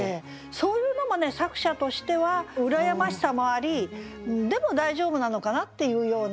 そういうのもね作者としては羨ましさもありでも大丈夫なのかなっていうようなそういう気持ちも。